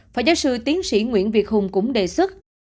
phó giáo sư tiến sĩ nguyễn việt hùng cũng đề xuất